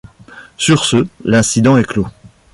Sur ce, l'incident est clos…